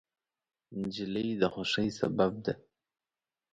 نجلۍ د خوښۍ سبب ده.